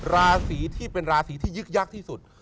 ราศีที่เป็นราศีที่ยึกยักษ์ที่สุด